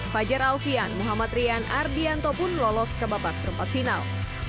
fajar alfian muhammad rian ardianto pun lolos ke babak perempat final